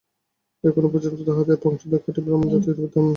এখনও পর্যন্ত ভারতে তাঁহাদের বংশধর খাঁটি ব্রাহ্মণ-জাতি বিদ্যমান।